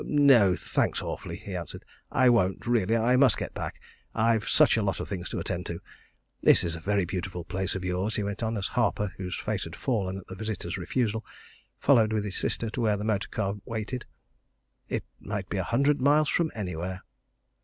"No, thanks awfully!" he answered. "I won't really I must get back I've such a lot of things to attend to. This is a very beautiful place of yours," he went on, as Harper, whose face had fallen at the visitor's refusal, followed with his sister to where the motor car waited. "It might be a hundred miles from anywhere."